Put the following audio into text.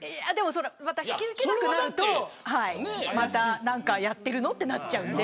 引き受けなくなるとまた何かやっているのとなっちゃうので。